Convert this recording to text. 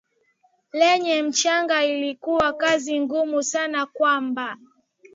lenye mchanga ilikuwa kazi ngumu sana kwamba